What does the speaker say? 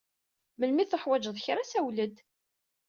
Melmi i tuḥwaǧeḍ kra, sawel-d!